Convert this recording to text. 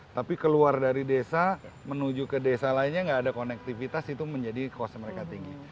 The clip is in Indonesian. tapi keluar dari desa menuju ke desa lainnya nggak ada konektivitas itu menjadi cost mereka tinggi